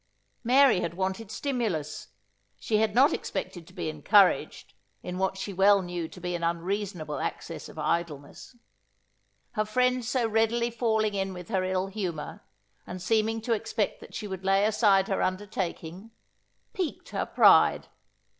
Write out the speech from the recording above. Mary had wanted stimulus. She had not expected to be encouraged, in what she well knew to be an unreasonable access of idleness. Her friend's so readily falling in with her ill humour, and seeming to expect that she would lay aside her undertaking, piqued her pride.